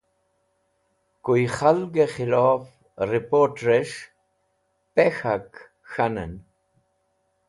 Koy khalgẽ khilof riport̃rẽsh “pe k̃hak” k̃hanẽn